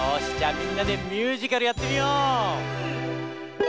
みんなでミュージカルやってみよう！